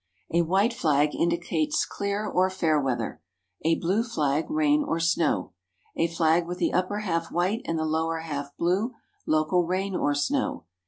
A white flag indicates clear or fair weather. A blue flag, rain or snow. A flag with the upper half white and the lower half blue, local rain or snow.